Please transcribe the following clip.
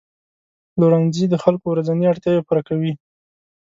پلورنځي د خلکو ورځني اړتیاوې پوره کوي.